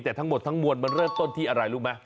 แต่ทั้งหมดทั้งมวลมันเริ่มต้นที่อะไรรู้ไหม